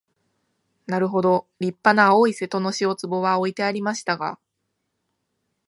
なるほど立派な青い瀬戸の塩壺は置いてありましたが、